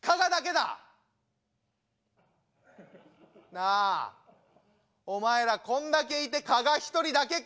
なあお前らこんだけいて加賀一人だけか？